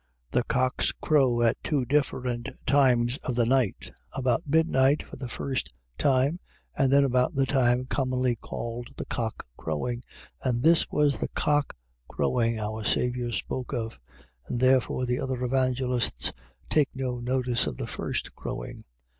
. .The cocks crow at two different times of the night; viz., about midnight for the first time; and then about the time commonly called the cock crowing; and this was the cock crowing our Saviour spoke of; and therefore the other Evangelists take no notice of the first crowing.